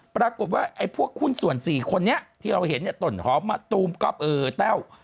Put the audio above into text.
ปรากฏว่าพวกคุณส่วน๔คนนี้ที่เราเห็นต่นหอมตูมก๊อปเออแต้ว